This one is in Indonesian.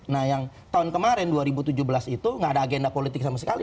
nah yang tahun kemarin dua ribu tujuh belas itu nggak ada agenda politik sama sekali